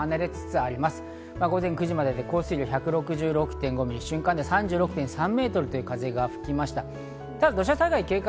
午前９時までで午前６時までで降水量１６６．５ミリ、最大瞬間風速３６．３メートルの風が吹きました。